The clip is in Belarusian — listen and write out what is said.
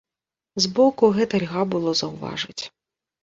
Збоку гэта льга было заўважыць.